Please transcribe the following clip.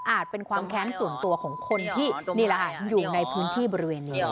เป็นความแค้นส่วนตัวของคนที่นี่แหละค่ะอยู่ในพื้นที่บริเวณนี้